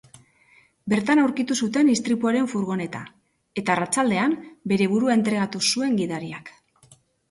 Bertan aurkitu zuten istripuaren furgoneta, eta arratsaldean bere burua entregatu zuen gidariak.